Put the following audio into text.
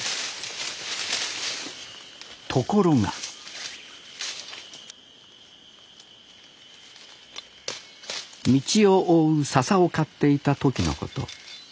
ところが道を覆うササを刈っていた時のこと。